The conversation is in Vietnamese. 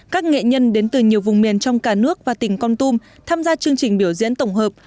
các nghệ nhân đến từ nhiều vùng miền trong cả nước và tỉnh con tum tham gia chương trình biểu diễn tổng hợp